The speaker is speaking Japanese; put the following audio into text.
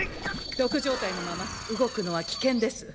毒状態のまま動くのは危険です。